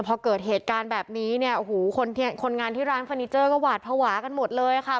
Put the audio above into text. พอเกิดเหตุการณ์แบบนี้เนี่ยโอ้โหคนงานที่ร้านเฟอร์นิเจอร์ก็หวาดภาวะกันหมดเลยค่ะ